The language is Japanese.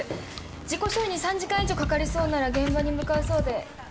事故処理に３時間以上かかりそうなら現場に向かうそうで。